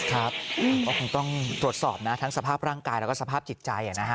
ครับก็คงต้องตรวจสอบนะทั้งสภาพร่างกายแล้วก็สภาพจิตใจนะฮะ